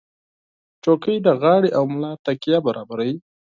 چوکۍ د غاړې او ملا تکیه برابروي.